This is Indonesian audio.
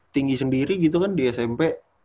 tinggi sendiri gitu kan di smp